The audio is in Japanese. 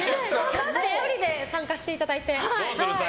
たった１人で参加していただいて。